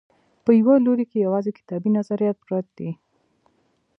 په یوه لوري کې یوازې کتابي نظریات پرت دي.